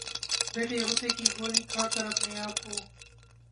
بیٹھے غصے کی گولی کھا کر اپنے آپ کو